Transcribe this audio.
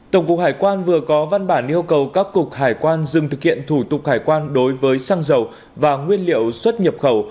tổng cục hải quan vừa có văn bản yêu cầu các cục hải quan dừng thực hiện thủ tục hải quan đối với xăng dầu và nguyên liệu xuất nhập khẩu